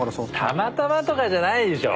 たまたまとかじゃないでしょ。